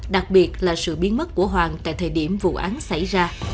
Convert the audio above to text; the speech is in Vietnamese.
đặc biệt là sự biến mất của hoàng tại thời điểm vụ án xảy ra